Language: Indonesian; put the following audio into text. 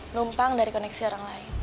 numpang dari koneksi orang lain